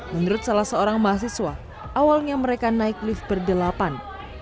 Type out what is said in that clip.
menurut salah seorang mahasiswa awalnya mereka naik lift berdelapan